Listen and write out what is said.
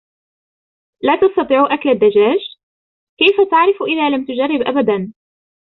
لا تستطيع اكل الدجاج ؟ كيف تعرف اذا لم تجرب ابداً ؟